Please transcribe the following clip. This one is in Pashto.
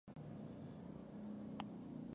اختيار مند او مالک دی د ورځي د جزاء او سزاء